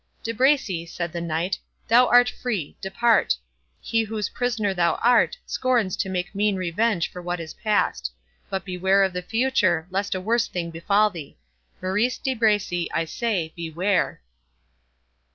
"De Bracy," said the Knight, "thou art free—depart. He whose prisoner thou art scorns to take mean revenge for what is past. But beware of the future, lest a worse thing befall thee.—Maurice de Bracy, I say BEWARE!"